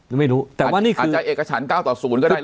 ยังไม่รู้แต่ว่านี่คือเอ๋กระฉันเก้าต่อศูนย์ก็ได้